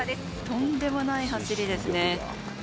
とんでもない走りですね。